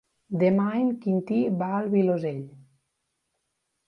Demà en Quintí va al Vilosell.